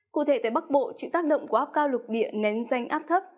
cụ thể tại bắc bộ chịu tác động của áp cao lục địa nén danh áp thấp